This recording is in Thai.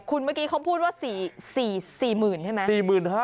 คุณเมื่อกี้เขาพูดว่า๔๐๐๐ใช่ไหม